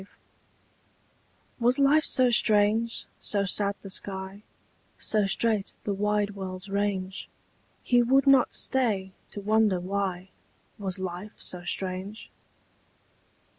V. Was life so strange, so sad the sky, So strait the wide world's range, He would not stay to wonder why Was life so strange?